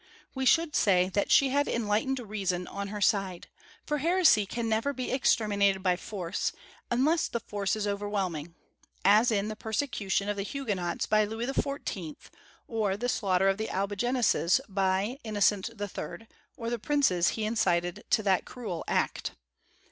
We should say that she had enlightened reason on her side, for heresy can never be exterminated by force, unless the force is overwhelming, as in the persecution of the Huguenots by Louis XIV., or the slaughter of the Albigenses by Innocent III. or the princes he incited to that cruel act.